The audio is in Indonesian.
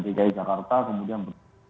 di kdti jakarta kemudian